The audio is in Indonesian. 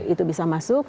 itu bisa masuk